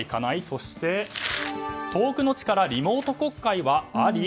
そして、遠くの地からリモート国会はあり？